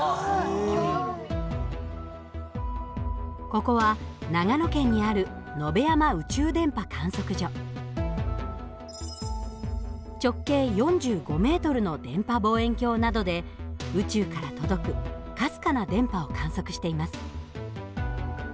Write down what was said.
ここは長野県にある直径４５ｍの電波望遠鏡などで宇宙から届くかすかな電波を観測しています。